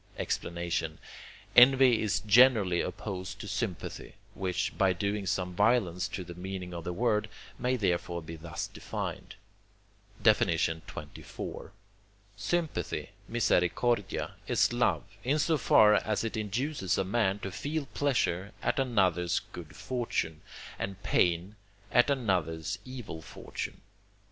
Explanation Envy is generally opposed to sympathy, which, by doing some violence to the meaning of the word, may therefore be thus defined: XXIV. Sympathy (misericordia) is love, in so far as it induces a man to feel pleasure at another's good fortune, and pain at another's evil fortune.